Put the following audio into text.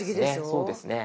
そうですね。